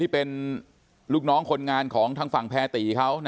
เป็นลูกน้องคนงานของทางฝั่งแพรตีเขา